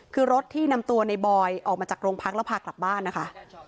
คือรถที่นำตัวในบอยออกมาจากโรงพักแล้วพากลับบ้านนะคะ